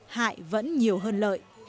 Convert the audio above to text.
hại vẫn nhiều hơn lợi